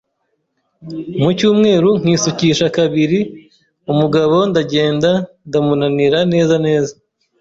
mu cyumweru nkisukisha kabiri, umugabo ndagenda ndamunanira neza neza,